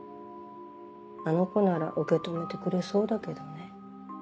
あの子なら受け止めてくれそうだけどね。